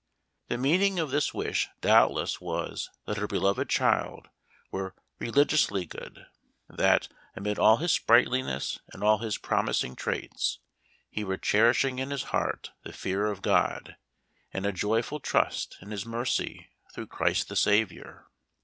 The meaning of this wish doubtless was that her beloved child were religiously good — that, amid all his sprightliness and all his promising traits, he were cherishing in his heart the fear of God, and a joyful trust in his mercy through Christ the Saviour.